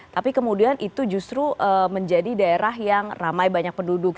tapi kemudian itu justru menjadi daerah yang ramai banyak penduduk